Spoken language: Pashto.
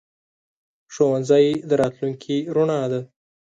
ښوونځی د راتلونکي رڼا ده.